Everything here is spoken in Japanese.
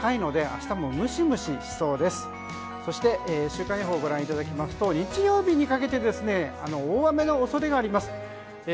週間予報をご覧いただくと日曜日にかけて大雨の恐れがあります。